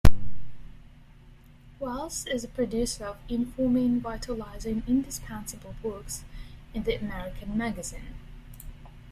Wells as a producer of "informing, vitalizing, indispensable books" in the "American Magazine".